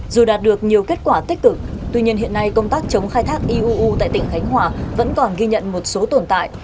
dù đạt được nhiều kết quả tích cực tuy nhiên hiện nay công tác chống khai thác iuu tại tỉnh khánh hòa vẫn còn ghi nhận một số tồn tại